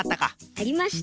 ありました。